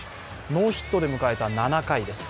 ノーヒットで迎えた７回です。